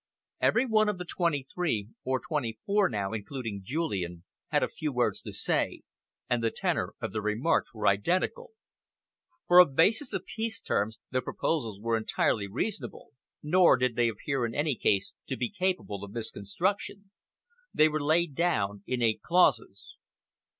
Every one of the twenty three or twenty four now, including Julian had a few words to say, and the tenor of their remarks was identical. For a basis of peace terms, the proposals were entirely reasonable, nor did they appear in any case to be capable of misconstruction. They were laid down in eight clauses.